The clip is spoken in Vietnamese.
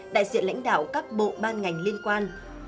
đại diện lãnh đạo các bộ ban ngành liên quan